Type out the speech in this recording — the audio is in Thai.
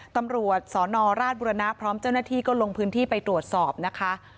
ตำรวจสนราชบุรณะพร้อมเจ้าหน้าที่ก็ลงพื้นที่ไปตรวจสอบนะคะ